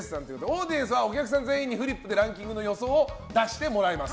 オーディエンスはお客さん全員にフリップでランキングの予想を出してもらいます。